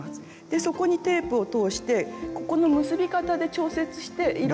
でそこにテープを通してここの結び方で調節して。